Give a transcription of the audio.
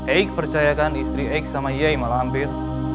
eik percayakan istri eik sama eik malapir